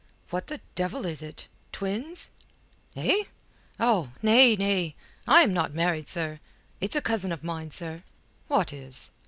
"What the devil is it? Twins?" "Eh? Oh! Nay, nay. I'm not married, sir. It's a cousin of mine, sir." "What is?"